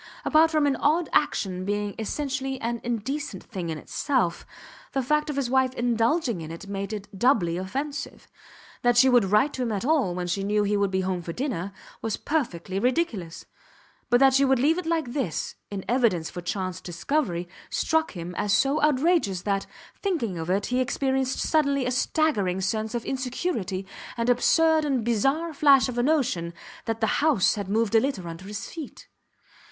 Apart from any odd action being essentially an indecent thing in itself, the fact of his wife indulging in it made it doubly offensive. That she should write to him at all, when she knew he would be home for dinner, was perfectly ridiculous; but that she should leave it like this in evidence for chance discovery struck him as so outrageous that, thinking of it, he experienced suddenly a staggering sense of insecurity, an absurd and bizarre flash of a notion that the house had moved a little under his feet.